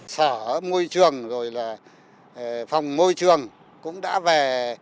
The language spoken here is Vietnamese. sở môi trường rồi là phòng môi trường cũng đã về